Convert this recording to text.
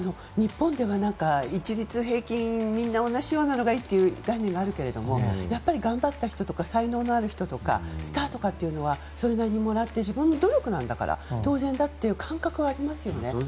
日本では一律平均みんな同じがいいという概念があるけれども頑張った人とか才能のある人とかスターとかはそれなりにもらって自分の努力なんだから当然だという感覚はありますよね。